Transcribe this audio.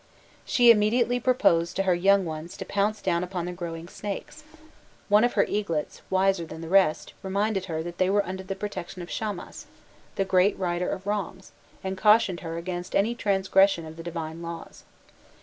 She immediately proposed to her young ones to pounce down upon the growing snakes; one of her eaglets, wiser than the rest, reminded her that they were under the protection of Shamash, the great righter of wrongs, and cautioned her against any transgression of the divine laws.